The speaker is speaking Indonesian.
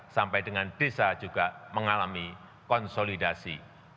sampai dengan desa juga mengalami konsolidasi